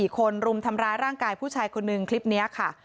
๔คนรุมทำร้ายร่างกายผู้ชายคนนึงคลิปนี้ค่ะ